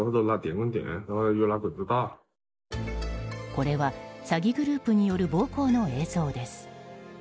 これは詐欺グループによる暴行の映像です。